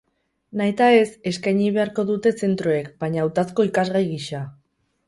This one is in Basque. Nahitaez eskaini beharko dute zentroek, baina hautazko ikasgai gisa.